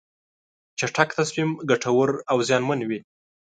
چټک تصمیم ګټور او زیانمن وي.